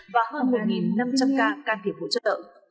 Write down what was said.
và hơn một năm trăm linh ca can thiệp hỗ trợ